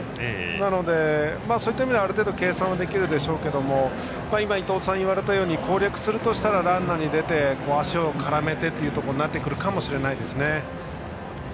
なのでそういった意味ではある程度計算できるでしょうけど今、伊東さんが言われたように攻略するとしたらランナーに出て、足を絡めてというところになってくるかもしれませんね。